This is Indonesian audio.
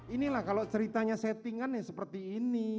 inilah kalau ceritanya settingan ya seperti ini